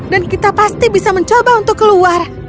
dan kita pasti bisa mencoba untuk keluar